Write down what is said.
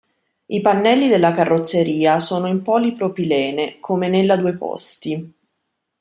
I pannelli della carrozzeria sono in polipropilene come nella due posti.